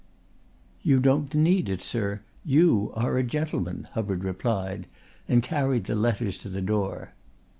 "You don't need it, sir. You are a gentleman," Hubbard replied, and carried the letters to the door.